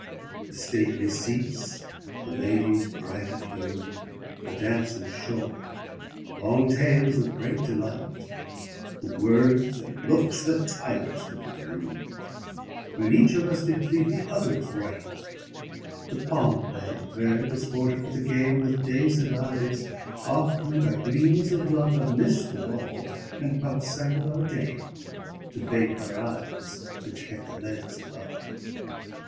The stately seats, the ladies bright of hue, The dances short, long tales of great delight; With words and looks that tigers could but rue, When each of us did plead the other's right. The palm play, where desported for the game, With dazed eyes oft we, by gleams of love, Have missed the ball, and got sight of our dame, To bait her eyes, which kept the leads above.